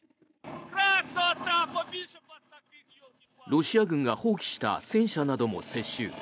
ロシア軍が放棄した戦車なども接収。